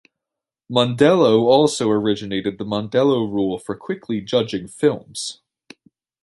Mondello also originated the Mondello Rule for Quickly Judging Films.